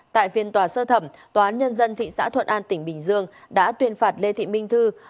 tại phiên tòa sơ thẩm tòa án nhân dân thị xã thuận an tỉnh bình dương đã tuyên phạt lê thị minh thư